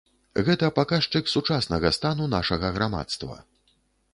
Гэта паказчык сучаснага стану нашага грамадства.